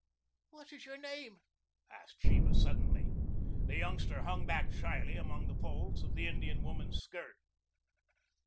"What is your name?" asked Sheba suddenly. The youngster hung back shyly among the folds of the Indian woman's skirt.